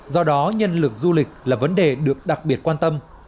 do đó nhân lực du lịch là vấn đề được đặc biệt quan tâm